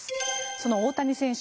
その大谷選手